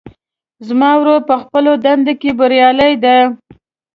زما ورور په خپله دنده کې بریالی ده